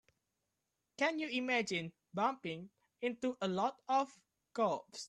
Can you imagine bumping into a load of cops?